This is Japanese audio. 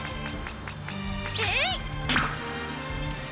えい！